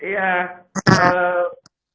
setelah sedikit pak